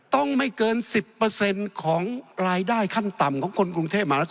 ต้องไม่เกิน๑๐ของรายได้ขั้นต่ำของคนกรุงเทพมหานคร